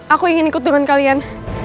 aku ingin ikut dengan kalian